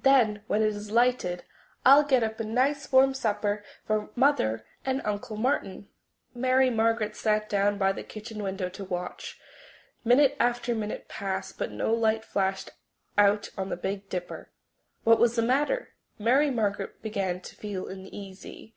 "Then, when it is lighted, I'll get up a nice warm supper for Mother and Uncle Martin." Mary Margaret sat down by the kitchen window to watch. Minute after minute passed, but no light flashed out on the Big Dipper. What was the matter? Mary Margaret began to feel uneasy.